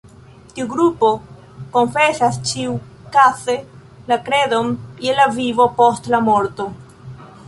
Tiu grupo konfesas ĉiukaze la kredon je la vivo post la morto.